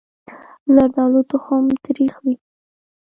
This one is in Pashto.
زردالو تخم تریخ وي.